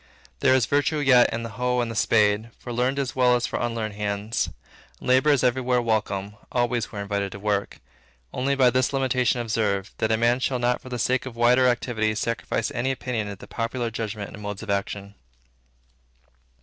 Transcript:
There is virtue yet in the hoe and the spade, for learned as well as for unlearned hands. And labor is everywhere welcome; always we are invited to work; only be this limitation observed, that a man shall not for the sake of wider activity sacrifice any opinion to the popular judgments and modes of action.